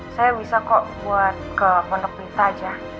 saya bisa kok buat ke pondok pita aja